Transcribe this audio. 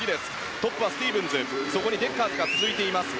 トップはスティーブンスでそこにデッカーズが続いています。